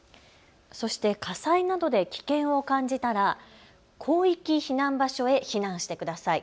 そして火災などで危険を感じたら広域避難場所へ避難してください。